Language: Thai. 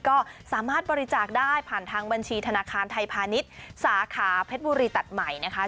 ก็สามารถบริจาคได้ผ่านทางบัญชีธนาคารไทยพาณิชย์สาขาเพชรบุรีตัดใหม่นะคะ